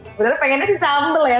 sebenarnya pengennya sih sambal ya